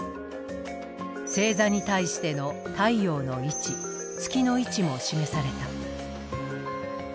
星座に対しての太陽の位置月の位置も示された。